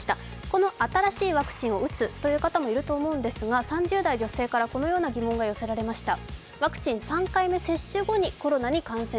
この新しいワクチンを打つという方もいると思うんですが、３０代女性からこのような疑問が寄せられました。